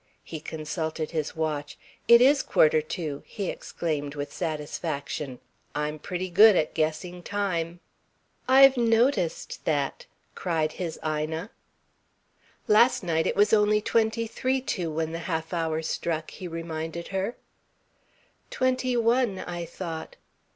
He consulted his watch. "It is quarter to!" he exclaimed with satisfaction. "I'm pretty good at guessing time." "I've noticed that!" cried his Ina. "Last night, it was only twenty three to, when the half hour struck," he reminded her. "Twenty one, I thought."